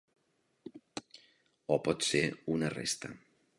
O potser una resta.